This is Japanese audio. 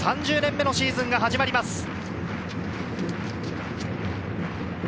３０年目のシーズンが始まります。